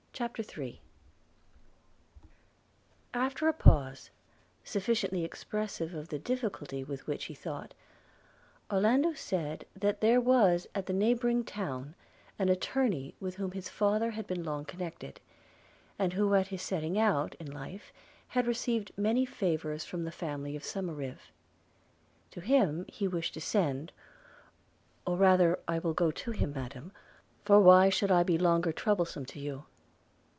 CHAPTER III AFTER a pause, sufficiently expressive of the difficulty with which he thought, Orlando said, that there was at the neighbouring town an Attorney with whom his father had been long connected; and who at his setting out in life had received many favours from the family of Somerive. – To him he wished to send – 'or rather I will go to him, Madam – for why should I be longer troublesome to you?'